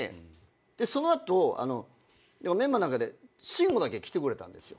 でその後メンバーの中で慎吾だけ来てくれたんですよ。